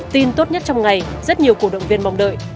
tin tốt nhất trong ngày rất nhiều cổ động viên mong đợi